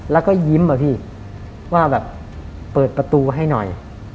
แล้วก็ยิ้มอะพี่ว่าแบบเปิดประตูให้หน่อย